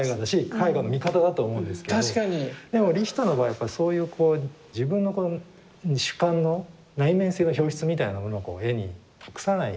でもリヒターの場合やっぱそういうこう自分のこの主観の内面性の表出みたいなものをこう絵に託さない。